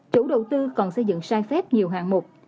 chủ đầu tư còn xây dựng sai phép nhiều hạng mục